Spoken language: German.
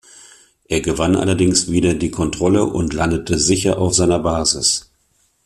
Er gewann allerdings wieder die Kontrolle und landete sicher auf seiner Basis.